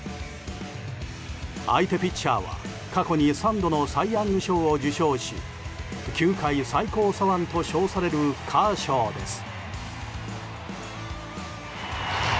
相手ピッチャーは過去に３度のサイ・ヤング賞を受賞し球界最高左腕と称されるカーショーです。